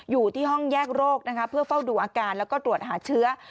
อยู่ที่ห้องแยกโรคนะคะเพื่อเฝ้าดูอาการแล้วก็ตรวจหาเชื้อ